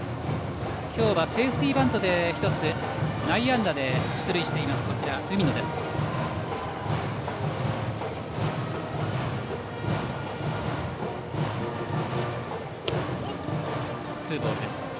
今日はセーフティーバントの内野安打で出塁している海野です。